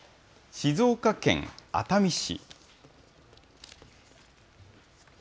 静岡県熱海市。